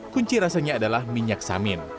kunci rasanya adalah minyak samin